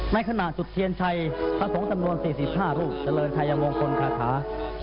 ในขณะจุดเทียนชัยพระสงฆ์จำนวน๔๕รูปเจริญชายมงคลคาถา